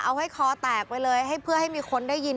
เอาให้คอแตกไปเลยให้เพื่อให้มีคนได้ยิน